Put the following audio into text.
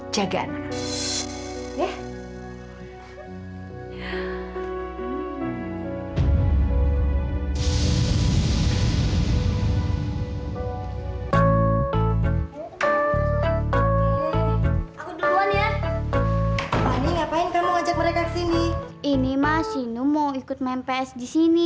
jaga anak anak ya aku duluan ya ngapain kamu ajak mereka sini ini masih numo ikut main ps di sini